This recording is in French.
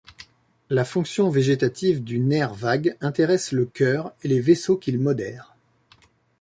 La fonction végétative du nerf vague intéresse le cœur et les vaisseaux qu'il modère.